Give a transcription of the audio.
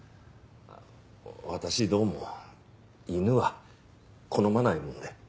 私どうも犬は好まないもので。